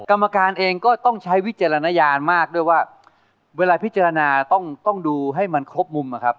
กรรมการเองก็ต้องใช้วิจารณญาณมากด้วยว่าเวลาพิจารณาต้องดูให้มันครบมุมนะครับ